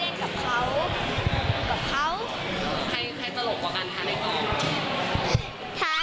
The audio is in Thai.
ใครตลกกว่ากันทางในกล่อง